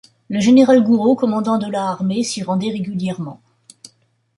Le général Gouraud, commandant de la Armée, s'y rendait régulièrement.